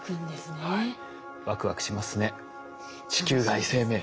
ワクワクしますね地球外生命。